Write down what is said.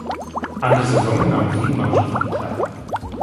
An der Saison nahmen sieben Mannschaften teil.